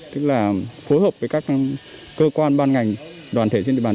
tức là phối hợp với các cơ quan ban ngành đoàn thể trên địa bàn